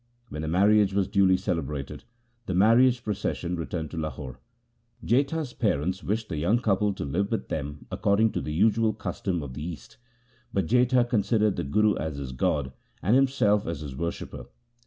When the marriage was duly celebrated, the marriage procession returned to Lahore. Jetha's parents wished the young couple to live with them according to the usual custom of the East, but Jetha considered the Guru as his god, and himself as his worshipper.